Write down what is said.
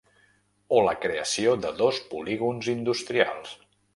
O la creació de dos polígons industrials.